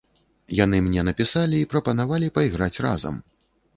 Яны мне напісалі і прапанавалі пайграць разам.